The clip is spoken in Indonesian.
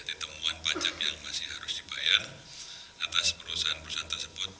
ada temuan pajak yang masih harus dibayar atas perusahaan perusahaan tersebut